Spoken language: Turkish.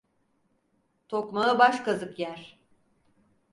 Tokmağı baş kazık yer.